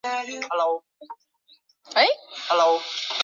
鳄梨油是指用鳄梨果实压榨而成的植物油。